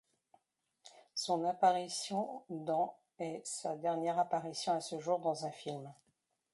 Son apparition dans est sa dernière apparition à ce jour dans un film.